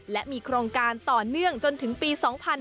และมีโครงการต่อเนื่องจนถึงปี๒๕๕๙